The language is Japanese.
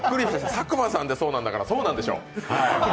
佐久間さんでそうなんだからそうでしょう。